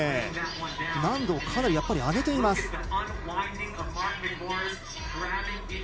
難度をかなり上げています。